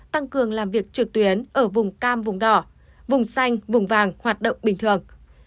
tăng cường làm việc trực tuyến ở vùng cam vùng đỏ vùng xanh vùng vàng hoạt động bình thường